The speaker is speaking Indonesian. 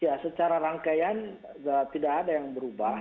ya secara rangkaian tidak ada yang berubah